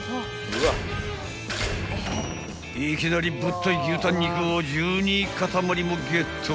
［いきなりぶっとい牛タン肉を１２塊もゲット］